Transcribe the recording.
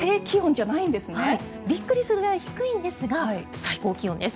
はい、びっくりするぐらい低いんですが最高気温です。